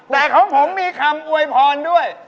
แต่ของผมมีคำอวยพรด้วย